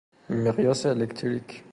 مقیاس الکتریک